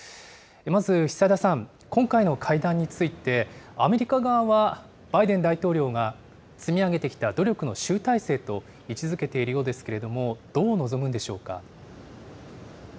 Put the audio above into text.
まず久枝さん、今回の会談について、アメリカ側はバイデン大統領が積み上げてきた努力の集大成と位置づけているようですけれども、どう臨むんでしょうか。